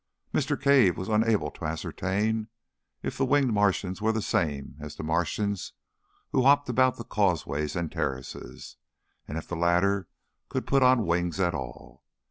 Mr. Cave was unable to ascertain if the winged Martians were the same as the Martians who hopped about the causeways and terraces, and if the latter could put on wings at will.